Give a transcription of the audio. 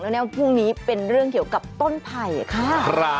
แล้วแนวพรุ่งนี้เป็นเรื่องเกี่ยวกับต้นไผ่ค่ะ